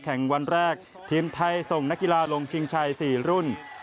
วันแรกทีมไทยส่งนักกีฬาลงชิงชัย๔รุ่น